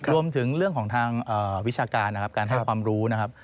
รวมถึงเรื่องของทางวิชาการนะครับการให้ความรู้นะครับ